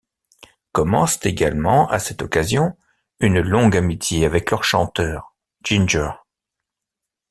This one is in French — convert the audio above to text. Commence également à cette occasion une longue amitié avec leur chanteur, Ginger.